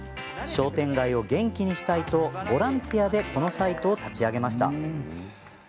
商店街を元気にしたいとボランティアでこのサイトを立ち上げました。